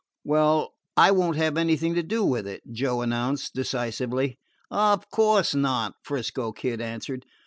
"Well, I won't have anything to do with it," Joe announced decisively. "Of course not," 'Frisco Kid answered.